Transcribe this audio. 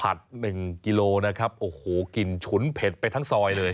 ๑กิโลนะครับโอ้โหกลิ่นฉุนเผ็ดไปทั้งซอยเลย